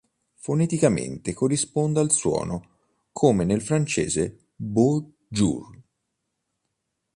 Foneticamente, corrisponde al suono come nel francese "bon"j"our".